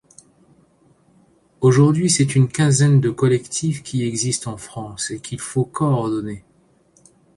Aujourd’hui c’est une quinzaine de collectifs qui existent en France et qu’il faut coordonner.